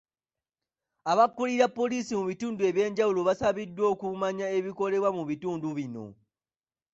Abakulira poliisi mu bitundu ebyenjawulo basabiddwa okumanya ebikolebwa mu bitundu bino.